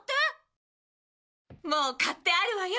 もう買ってあるわよ。